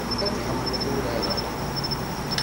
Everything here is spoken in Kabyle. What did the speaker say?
Ad tḥemmleḍ urar-a.